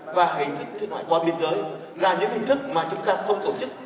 và hình thức thiết ngoại qua biên giới là những hình thức mà chúng ta không tổ chức